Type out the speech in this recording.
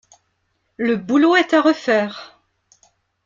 Le boulot est à refaire.